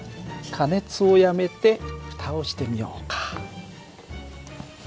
加熱をやめてふたをしてみようか。